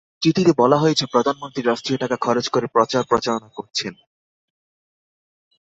চিঠিতে বলা হয়েছে, প্রধানমন্ত্রী রাষ্ট্রীয় টাকা খরচ করে প্রচার প্রচারণা করছেন।